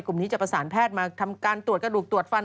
กลุ่มนี้จะประสานแพทย์มาทำการตรวจกระดูกตรวจฟัน